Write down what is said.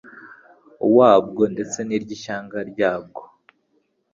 wabwo ndetse n'iry'ishyanga ryabwo.